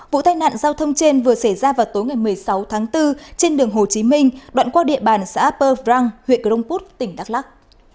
vụ tai nạn giao thông trên vừa xảy ra vào tối ngày một mươi sáu tháng bốn trên đường hồ chí minh đoạn qua địa bàn xã upper vrang huyện grongput tỉnh đắk lắc